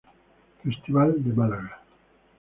Festival de Málaga